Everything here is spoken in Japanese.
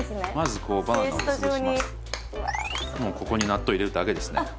もうここに納豆入れるだけですね